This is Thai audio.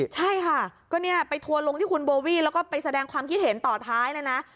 ใช่ค่ะก็เนี่ยไปทัวร์ลงที่คุณโบวี่แล้วก็ไปแสดงความคิดเห็นต่อท้ายเลยนะ